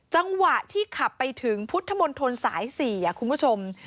จังหวะที่ขับไปถึงพุทธมนตรสาย๔คุณผู้ชม